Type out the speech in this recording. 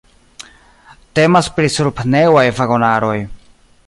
Temas pri sur-pneŭaj vagonaroj.